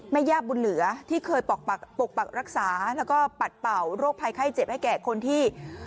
ย่าบุญเหลือที่เคยปกปักรักษาแล้วก็ปัดเป่าโรคภัยไข้เจ็บให้แก่คนที่